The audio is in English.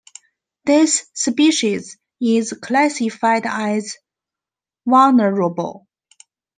This species is classified as vulnerable.